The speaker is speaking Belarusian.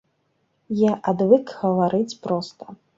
Я адвык гаварыць проста.